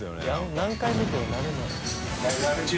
許）何回見ても慣れない。